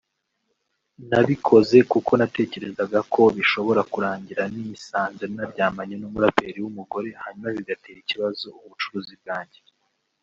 nabikoze kuko natekerezaga ko bishobora kurangira nisanze naryamanye n’umuraperi w’umugore hanyuma bigatera ikibazo ubucuruzi bwanjye